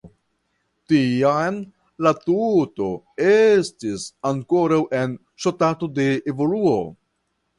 Tiam la tuto estis ankoraŭ en stato de evoluo.